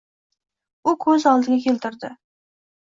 U ko‘z oldiga keltirdi.